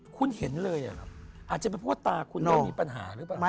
คุณเห็นเลยอาจจะเป็นเพราะว่าตาคุณโดนมีปัญหาหรือเปล่า